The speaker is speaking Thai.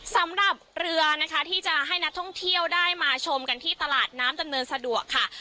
สำหรับเรือนะคะที่จะให้นักท่องเที่ยวได้มาชมกันที่ตลาดน้ำดำเนินสะดวกค่ะ